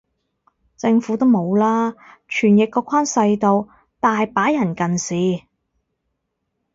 政府都冇啦，傳譯個框細到，大把人近視